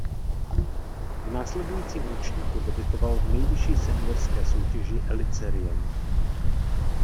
V následujícím ročníku debutoval v nejvyšší seniorské soutěži Elitserien.